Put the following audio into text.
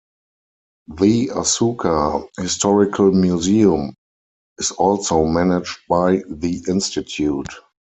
The Asuka Historical Museum is also managed by the institute.